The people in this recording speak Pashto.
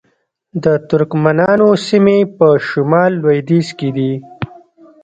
د ترکمنانو سیمې په شمال لویدیځ کې دي